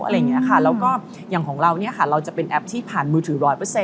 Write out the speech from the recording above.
แล้วก็อย่างของเราเราจะเป็นแอปที่ผ่านมือถือ๑๐๐